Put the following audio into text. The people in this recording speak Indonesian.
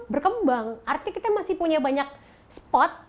berkembang artinya kita masih punya banyak spot